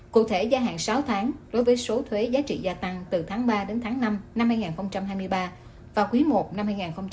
cụ thể gia hạn sáu tháng đối với số thuế giá trị gia tăng từ tháng ba đến tháng năm năm hai nghìn hai mươi ba và quý i năm hai nghìn hai mươi bốn